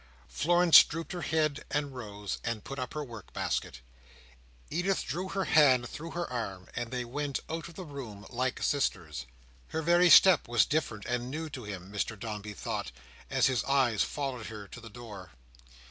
Florence drooped her head, and rose, and put up her work basket. Edith drew her hand through her arm, and they went out of the room like sisters. Her very step was different and new to him, Mr Dombey thought, as his eyes followed her to the door.